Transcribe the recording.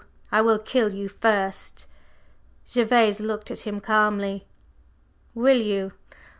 I will kill you first!" Gervase looked at him calmly. "Will you?